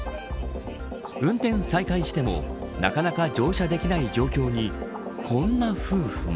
運転再開してもなかなか乗車できない状況にこんな夫婦も。